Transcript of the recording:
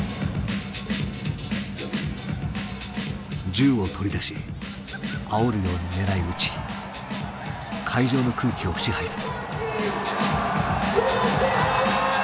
銃を取り出しあおるように狙い撃ち会場の空気を支配する。